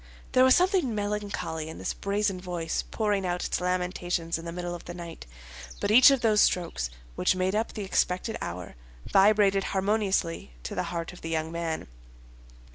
There was something melancholy in this brazen voice pouring out its lamentations in the middle of the night; but each of those strokes, which made up the expected hour, vibrated harmoniously to the heart of the young man.